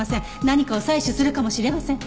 何かを採取するかもしれません。